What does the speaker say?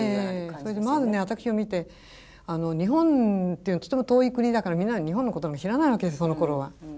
それでまず私を見て日本ってとても遠い国だからみんな日本のことなんか知らないわけですそのころは。